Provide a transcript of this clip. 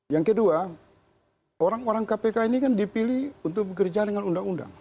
yang kedua orang orang kpk ini kan dipilih untuk bekerja dengan undang undang